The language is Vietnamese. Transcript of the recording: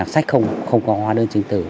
sách không có hóa đơn chứng từ